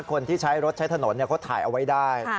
คนที่ใช้รถใช้ถนนเขาถ่ายเอาไว้ได้